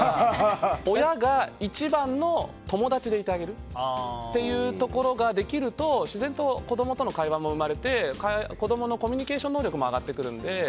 親が一番の友達でいてあげるというところができると自然と子供との会話も生まれて子供のコミュニケーション能力も上がってくるんで。